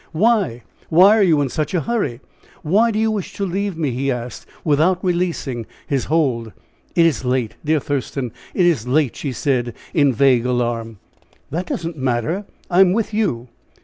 "Why? Why are you in such a hurry? Why do you wish to leave me?" he asked, without releasing his hold. "It is late! Dear Thurston, it is late," she said, in vague alarm. "That does not matter I am with you."